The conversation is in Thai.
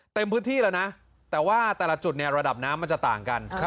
เต็มพื้นที่แล้วนะแต่ว่าแต่ละจุดเนี่ยระดับน้ำมันจะต่างกัน